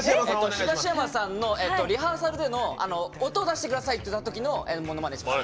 東山さんのリハーサルでの音を出してくださいって言った時のものまねします。